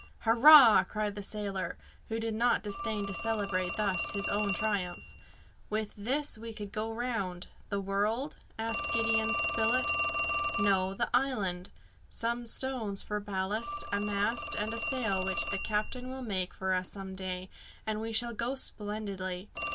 "Hurrah!" cried the sailor, who did not disdain to celebrate thus his own triumph. "With this we could go round " "The world?" asked Gideon Spilett. "No, the island. Some stones for ballast, a mast, and a sail, which the captain will make for us some day, and we shall go splendidly!